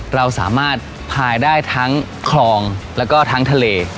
เราสามารถพายได้ทั้งคลองแล้วก็ทั้งทะเล